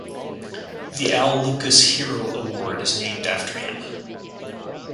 The Al Lucas Hero Award is named after him.